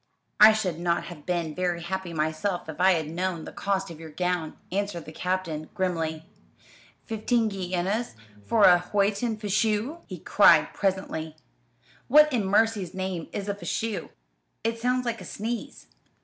"I should not have been very happy myself if I had known the cost of your gown," answered the Captain grimly. "Fifteen guineas for a Honiton fichu!" he cried presently. "What in mercy's name is a fichu? It sounds like a sneeze."